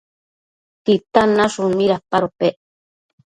¿Titan nashun midapadopec?